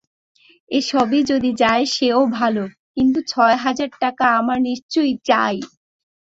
এ-সবই যদি যায় সেও ভালো, কিন্তু ছ হাজার টাকা আমার নিশ্চয়ই চাই।